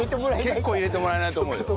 結構入れてもらえないと思うよ。